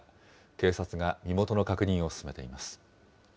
警察が身元の確認を進めています。